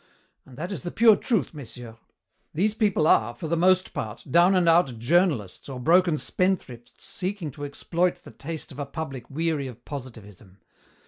And that is the pure truth, messieurs. These people are, for the most part, down and out journalists or broken spendthrifts seeking to exploit the taste of a public weary of positivism.